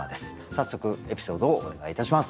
早速エピソードをお願いいたします。